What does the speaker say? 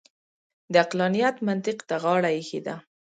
د عقلانیت منطق ته غاړه اېښې ده.